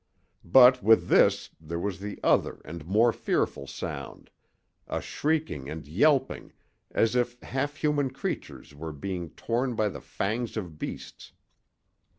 But with this there was the other and more fearful sound, a shrieking and yelping as if half human creatures were being torn by the fangs of beasts.